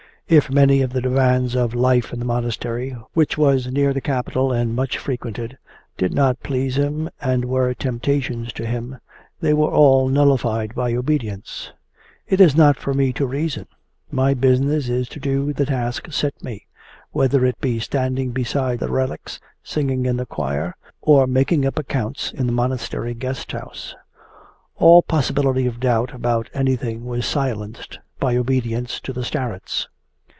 If many of the demands of life in the monastery, which was near the capital and much frequented, did not please him and were temptations to him, they were all nullified by obedience: 'It is not for me to reason; my business is to do the task set me, whether it be standing beside the relics, singing in the choir, or making up accounts in the monastery guest house.' All possibility of doubt about anything was silenced by obedience to the starets.